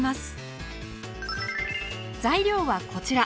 材料はこちら。